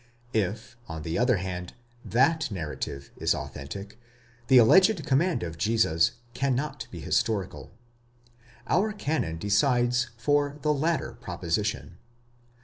if, on the other hand, that narrative is authentic, the alleged command of Jesus cannot be historical. Our canon decides for the latter proposition.